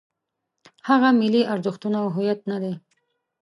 هغه ملي ارزښتونه او هویت نه دی.